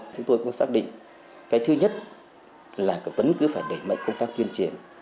chúng tôi cũng xác định cái thứ nhất là vẫn cứ phải đẩy mạnh công tác tuyên truyền